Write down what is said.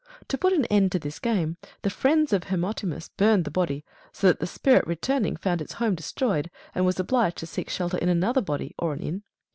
To put an end to this game, the friends of Hermotimus burned the body ; so that the spirit return ing, found its home destroyed, and was obliged to seek shelter in another body, or an inn.